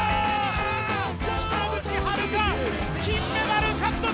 北口榛花、金メダル獲得！